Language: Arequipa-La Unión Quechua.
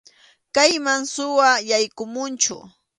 Kayman suwa yaykumunchu.